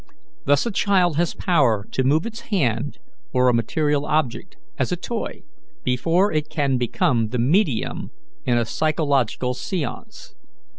Thus, a child has power to move its hand or a material object, as a toy, before it can become the medium in a psychological seance.